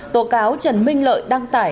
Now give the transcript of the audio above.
tổ cáo trần minh lợi đăng tải